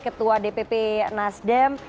ketua dpp nasdem